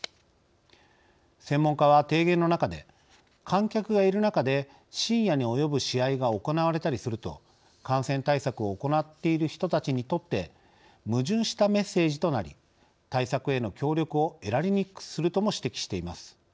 専門家は提言の中で観客がいる中で深夜に及ぶ試合が行われたりすると感染対策を行っている人たちにとって矛盾したメッセージとなり対策への協力を得られにくくするとも指摘しています。